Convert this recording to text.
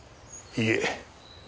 いいえ。